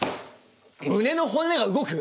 胸の骨が動く？